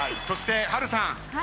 そして波瑠さん。